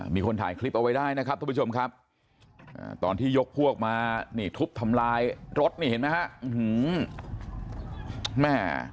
มีคนถ่ายคลิปเอาไว้ได้นะครับทุกผู้ชมครับตอนที่ยกพวกมานี่ทุบทำลายรถนี่เห็นไหมฮะแม่